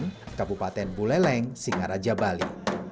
di kabupaten buleleng singaraja bali